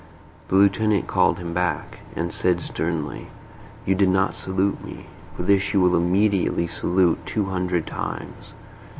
The lieutenant called him back, and said sternly: "You did not salute me. For this you will immediately salute two hundred times."